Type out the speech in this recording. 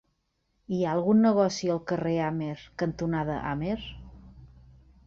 Hi ha algun negoci al carrer Amer cantonada Amer?